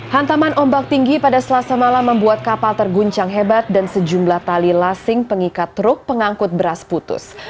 hantaman ombak tinggi pada selasa malam membuat kapal terguncang hebat dan sejumlah tali lasing pengikat truk pengangkut beras putus